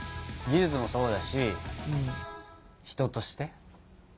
技術もそうだし人として？